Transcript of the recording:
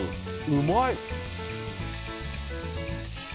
うまい！